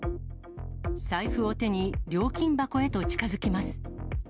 財布を手に、料金箱へと近づきます。